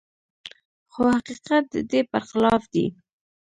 خو حقيقت د دې پرخلاف دی.